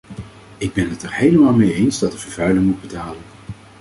Ik ben het er helemaal mee eens dat de vervuiler moet betalen.